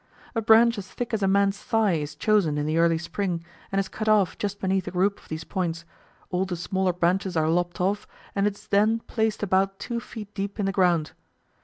A branch as thick as a man's thigh is chosen in the early spring, and is cut off just beneath a group of these points, all the smaller branches are lopped off, and it is then placed about two feet deep in the ground.